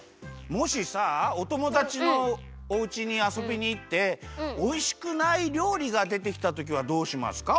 もしさおともだちのおうちにあそびにいっておいしくないりょうりがでてきたときはどうしますか？